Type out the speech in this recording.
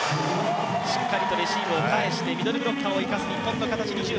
しっかりとレシーブを返してミドルブロッカーを生かす日本の形。